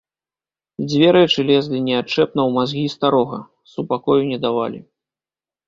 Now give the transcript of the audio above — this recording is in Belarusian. Дзве рэчы лезлі неадчэпна ў мазгі старога, супакою не давалі.